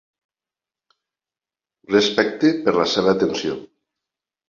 Respecte per la seva atenció.